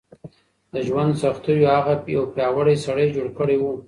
د ژوند سختیو هغه یو پیاوړی سړی جوړ کړی و.